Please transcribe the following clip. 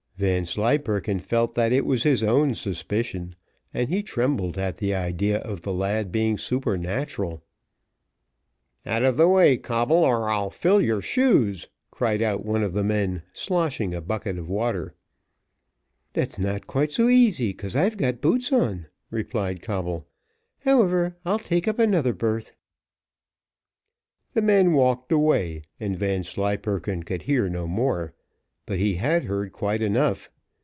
Vanslyperken felt that it was his own suspicion, and he trembled at the idea of the lad being supernatural. "Out of the way, Coble, or I'll fill your shoes," cried out one of the men, slashing a bucket of water. "That's not quite so easy, 'cause I've got boots on," replied Coble. "However, I'll take up another berth." The men walked away, and Vanslyperken could hear no more; but he had heard quite enough.